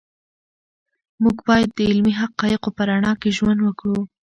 موږ باید د علمي حقایقو په رڼا کې ژوند وکړو.